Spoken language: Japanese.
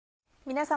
皆様。